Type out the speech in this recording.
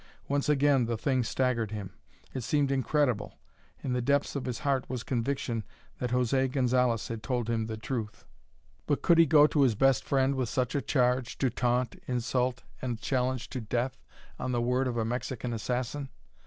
Once again the thing staggered him. It seemed incredible. In the depths of his heart was conviction that José Gonzalez had told him the truth. But could he go to his best friend with such a charge, to taunt, insult, and challenge to death, on the word of a Mexican assassin?